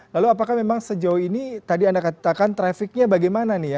lalu apakah memang sejauh ini tadi anda katakan trafficnya bagaimana nih ya